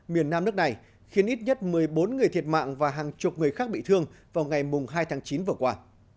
miền nam nước này khiến ít nhất một mươi bốn người thiệt mạng và hàng chục người khác bị thương vào ngày hai tháng chín vừa qua